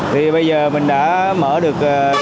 thì bây giờ mình đã mở được